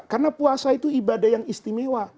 karena puasa itu ibadah yang istimewa